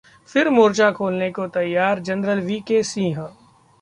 फिर मोर्चा खोलने को तैयार जनरल वी.के. सिंह